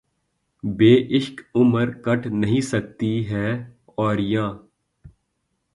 بے عشق عمر کٹ نہیں سکتی ہے‘ اور یاں